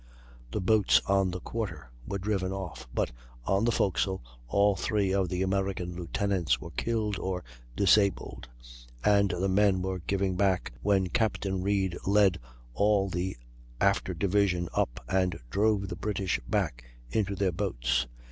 The boats on the quarter were driven off; but on the forecastle all three of the American lieutenants were killed or disabled, and the men were giving back when Captain Reid led all the after division up and drove the British back into their boats.